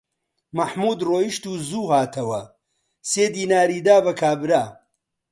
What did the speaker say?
مەحموود ڕۆیشت و زوو هاتەوە، سێ دیناری دا بە کابرا